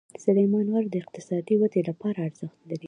سلیمان غر د اقتصادي ودې لپاره ارزښت لري.